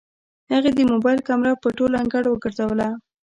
هغې د موبايل کمره په ټول انګړ وګرځوله.